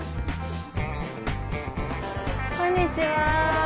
こんにちは。